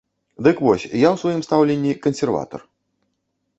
Дык вось, я ў сваім стаўленні кансерватар.